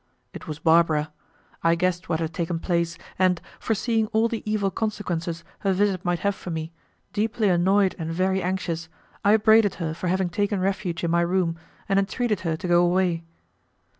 It was Barbara; I guessed what had taken place, and, foreseeing all the evil consequences her visit might have for me, deeply annoyed and very anxious, I upbraided her for having taken refuge in my room, and entreated her to go away.